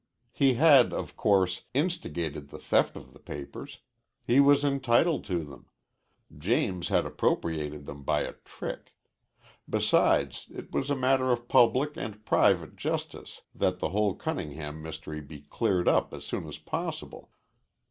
He had, of course, instigated the theft of the papers. He was entitled to them. James had appropriated them by a trick. Besides, it was a matter of public and private justice that the whole Cunningham mystery be cleared up as soon as possible.